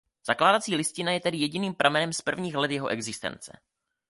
Zakládací listina je tedy jediným pramenem z prvních let jeho existence.